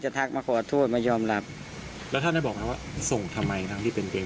หน้าการคุยกับชีวิตที่ผมแด่ห์